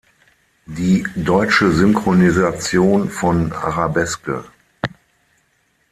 Die deutsche Synchronisation von Arabeske.